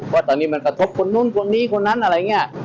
ว่าตอนนี้มันกระทบคนนู้นคนนี้คนนั้นอะไรอย่างนี้